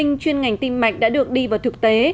đề án bệ tinh chuyên ngành tim mạch đã được đi vào thực tế